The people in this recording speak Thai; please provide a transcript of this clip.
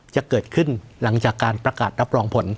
จะเกิดขึ้นหลังจากการประกาศรับรองผล